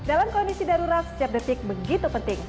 dalam kondisi darurat sejap detik begituh penting